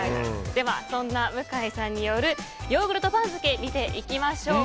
では、そんな向井さんによるヨーグルト番付見ていきましょう。